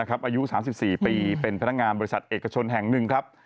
อายุ๓๔ปีเป็นพนักงานบริษัทเอกชนแห่งหนึ่งครับ